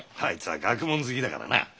あいつあ学問好きだからな。